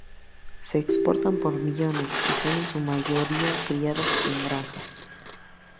Se exportan por millones, y son en su mayoría criadas en granjas.